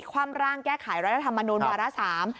ความร่างแก้ไขรัฐธรรมนูลวาระสาม